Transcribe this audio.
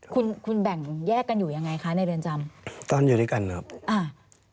คุณคุณแบ่งแยกกันอยู่ยังไงคะในเรือนจำตอนอยู่ด้วยกันครับอ่า